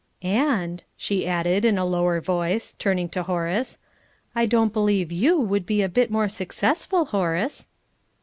And," she added, in a lower voice, turning to Horace, "I don't believe you would be a bit more successful, Horace!"